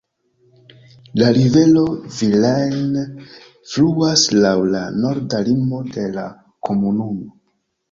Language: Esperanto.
La rivero Vilaine fluas laŭ la norda limo de la komunumo.